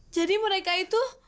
jadi mereka itu